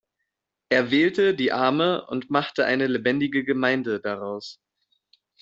Er wählte die arme und machte eine lebendige Gemeinde daraus.